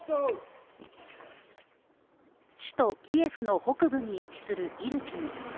首都キエフの北部に位置するイルピン。